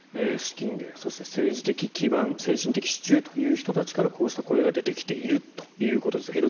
資金源、そして政治的基盤精神的支柱という人たちからこうした声が出てきているということです。